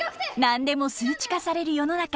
何でも数値化される世の中。